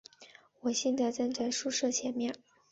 我现在站在宿舍前面